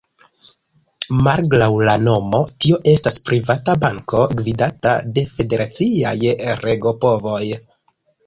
Malgraŭ la nomo tio estas privata banko gvidata de federaciaj regopovoj.